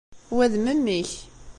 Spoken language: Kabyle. Wa d memmi-k.